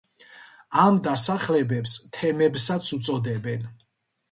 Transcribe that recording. ამ დასახლებებს თემებსაც უწოდებენ.